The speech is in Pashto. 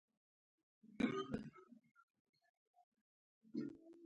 پاڼو ته وړانګې په اتڼ راغلي